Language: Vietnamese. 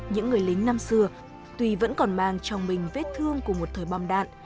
những người lính năm xưa tuy vẫn còn mang trong mình vết thương của một thời bom đạn